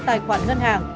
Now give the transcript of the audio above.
tài khoản ngân hàng